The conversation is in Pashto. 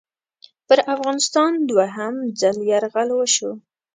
پر افغانستان دوهم ځل یرغل وشو.